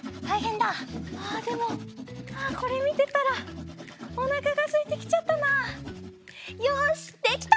あでもこれみてたらおなかがすいてきちゃったなあ。よしできた！